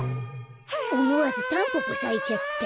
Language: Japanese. おもわずタンポポさいちゃった。